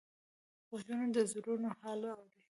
غوږونه د زړونو حال اوري